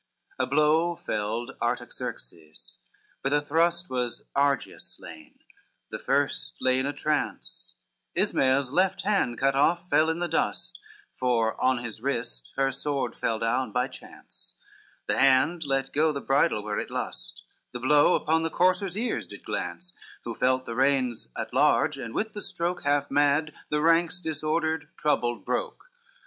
XXXIV A blow felled Artaxerxes, with a thrust Was Argeus slain, the first lay in a trance, Ismael's left hand cut off fell in the dust, For on his wrist her sword fell down by chance: The hand let go the bridle where it lust, The blow upon the courser's ears did glance, Who felt the reins at large, and with the stroke Half mad, the ranks disordered, troubled, broke.